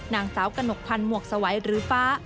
นางสาวกระหนกพันธ์หมวกสวัยหรือฟ้า